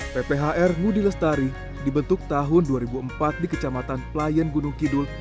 pphr ngudi lestari dibentuk tahun dua ribu empat di kecamatan pelayan gunung kidul